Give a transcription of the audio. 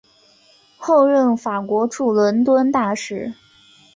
后任法国驻伦敦大使。